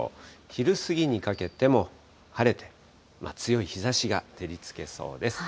昼過ぎにかけても、晴れて、強い日ざしが照りつけそうです。